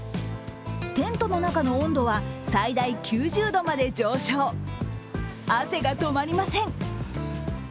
テントの中の温度は最大９０度まで上昇、汗が止まりません。